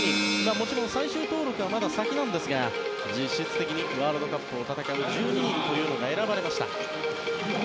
もちろん最終登録はまだ先なんですが実質的にワールドカップを戦う１２人が選ばれました。